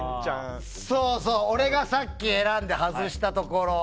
俺がさっき選んで外したところ。